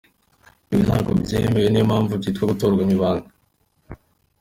Ibi ntabwo byemewe niyo mpamvu byitwa gutora mu ibanga.